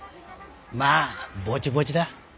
まあぼちぼちだ。